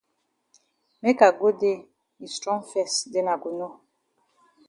Make I go dey yi strong fes den I go know.